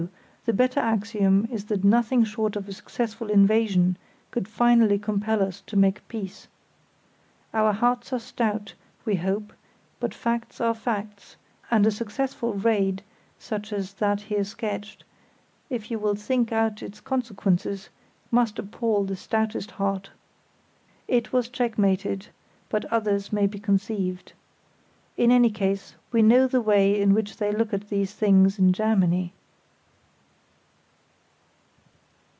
No; the better axiom is that nothing short of a successful invasion could finally compel us to make peace. Our hearts are stout, we hope; but facts are facts; and a successful raid, such as that here sketched, if you will think out its consequences, must appal the stoutest heart. It was checkmated, but others may be conceived. In any case, we know the way in which they look at these things in Germany.